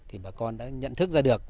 thì bà con đã nhận thức ra được